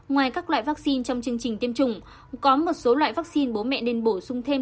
ngoài các loại vaccine trong chương trình tiêm chủng có một số loại vaccine bố mẹ nên bổ sung thêm